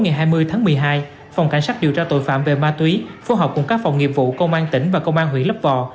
ngày hai mươi tháng một mươi hai phòng cảnh sát điều tra tội phạm về ma túy phối hợp cùng các phòng nghiệp vụ công an tỉnh và công an huyện lấp vò